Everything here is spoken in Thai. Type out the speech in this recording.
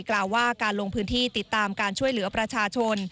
กล่าวว่าการลงพื้นที่ติดตามการช่วยเหลือประชาชน